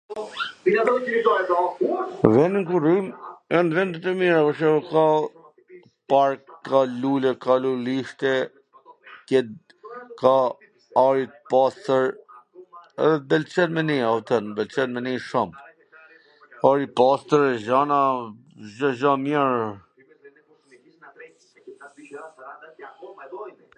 Veni ku rrim, jan vene tw mira, pwr shembull ka park, ka lule, ka lulishte, ka ajwr t pastwr, edhe m pwlqen me ndej a kupton.. m pwlqen me ndej shum... ajr i pastwr e gjana... Cdo gja mir...